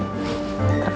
terkabur semua tapi